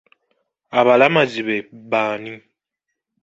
Abalamazi be b'ani?